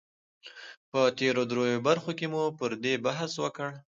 په تېرو دريو برخو کې مو پر دې بحث وکړ